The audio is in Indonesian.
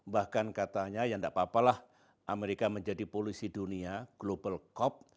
bahkan katanya ya tidak apa apalah amerika menjadi polisi dunia global cop